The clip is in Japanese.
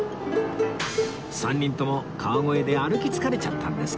３人とも川越で歩き疲れちゃったんですかね？